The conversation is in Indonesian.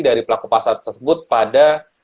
dari pelaku pasar tersebut pada